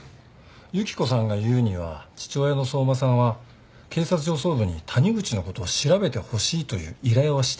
由紀子さんが言うには父親の相馬さんは警察上層部に谷口のことを調べてほしいという依頼はしていないそうだよ。